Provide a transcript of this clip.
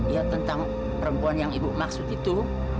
ya tentang perempuan yang ibu maksud itu